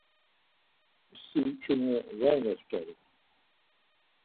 Si ç̌ume var moxtare.